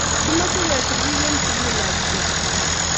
Kimache kesir pik en sukul ab Egerton